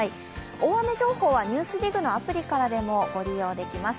大雨情報は「ＮＥＷＳＤＩＧ」のアプリからでもご利用できます。